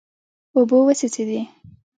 اوبه وڅڅېدې.